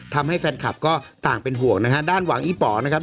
ทำให้แฟนคลับก็ต่างเป็นห่วงนะฮะด้านหวังอีป๋อนะครับ